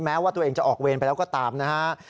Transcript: แม้ว่าตัวเองจะออกเวรไปแล้วก็ตามนะฮะ